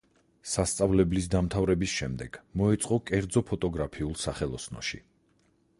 სასწავლებლის დამთავრების შემდეგ მოეწყო კერძო ფოტოგრაფიულ სახელოსნოში.